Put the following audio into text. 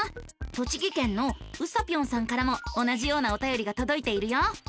栃木県のうさぴょんさんからも同じようなおたよりがとどいているよ。